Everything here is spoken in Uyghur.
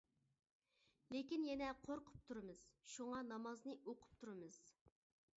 لېكىن يەنە قورقۇپ تۇرىمىز، شۇڭا نامازنى ئوقۇپ تۇرىمىز.